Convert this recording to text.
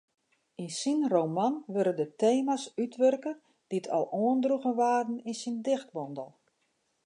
Yn syn roman wurde de tema's útwurke dy't al oandroegen waarden yn syn dichtbondel.